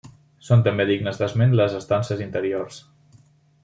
Són també dignes d'esment les estances interiors.